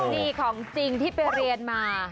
นี่ของจริงที่ไปเรียนมา